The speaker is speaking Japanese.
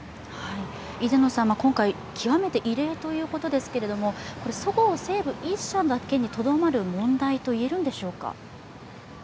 今回、極めて異例ということですけれども、そごう・西武１社だけにとどまる問題と言えるのでしょうか？